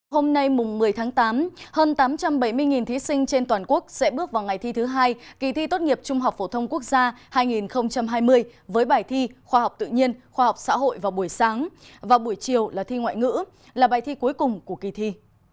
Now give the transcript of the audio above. hôm nay mùng một mươi tháng tám hơn tám trăm bảy mươi thí sinh trên toàn quốc sẽ bước vào ngày thi thứ hai kỳ thi tốt nghiệp trung học phổ thông quốc gia hai nghìn hai mươi với bài thi khoa học tự nhiên khoa học xã hội vào buổi sáng và buổi chiều là thi ngoại ngữ là bài thi cuối cùng của kỳ thi